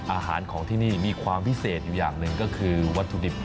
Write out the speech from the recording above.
อาหารของที่นี่มีความพิเศษอยู่อย่างหนึ่งก็คือวัตถุดิบ